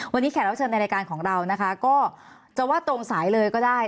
วันนี้แขกรับเชิญในรายการของเรานะคะก็จะว่าตรงสายเลยก็ได้